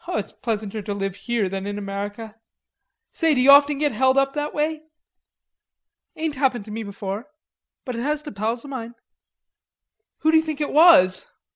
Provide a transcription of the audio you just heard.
"It's pleasanter to live here than in America.... Say, d'you often get held up that way?" "Ain't happened to me before, but it has to pals o' moine." "Who d'you think it was?